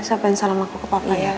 sabaran salam aku ke papa ya